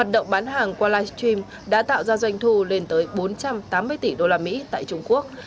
động bán hàng qua livestream đã tạo ra doanh thu lên tới bốn trăm tám mươi tỷ đô la mỹ tại trung quốc